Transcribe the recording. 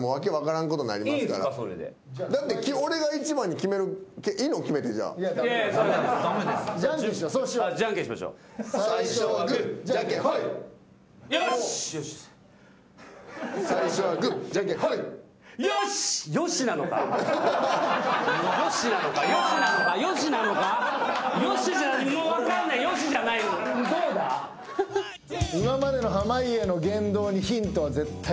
今までの濱家の言動にヒントは絶対隠されてる。